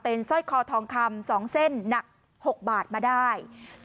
สร้อยคอทองคำ๒เส้นหนัก๖บาทมาได้